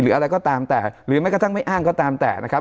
อะไรก็ตามแต่หรือแม้กระทั่งไม่อ้างก็ตามแต่นะครับ